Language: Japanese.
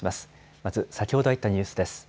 まず先ほど入ったニュースです。